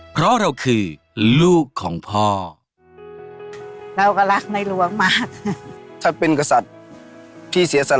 เพราะเราคือลูกของพ่อ